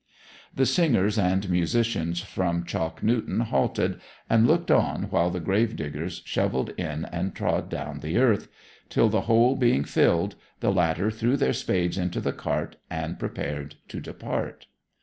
The singers and musicians from Chalk Newton halted, and looked on while the gravediggers shovelled in and trod down the earth, till, the hole being filled, the latter threw their spades into the cart, and prepared to depart.